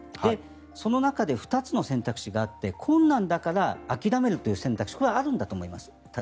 その中で２つの選択肢があって困難だから諦める選択肢もあると思います。